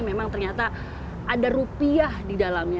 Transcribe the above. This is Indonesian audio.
memang ternyata ada rupiah di dalamnya